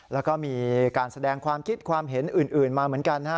แล้วก็มีการแสดงความคิดความเห็นอื่นมาเหมือนกัน